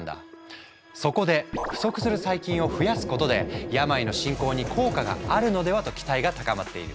そこで不足する細菌を増やすことで病の進行に効果があるのではと期待が高まっている。